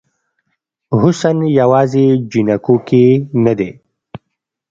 حسن یوازې جینکو کې نه دی